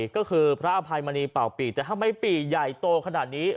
ก็คือพระอภัยมณีเป่าปีแต่ทำไมปีใหญ่โตขนาดนี้